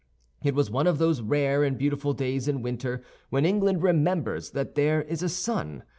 It was one of those rare and beautiful days in winter when England remembers that there is a sun.